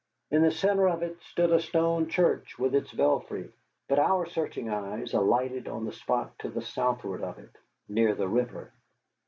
In the centre of it stood a stone church with its belfry; but our searching eyes alighted on the spot to the southward of it, near the river.